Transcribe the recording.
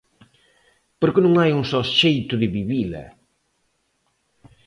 Porque non hai un só xeito de vivila.